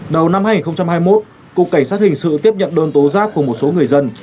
đầu năm hai nghìn hai mươi một cục cảnh sát hình sự tiếp nhận đơn tố giác của một số người dân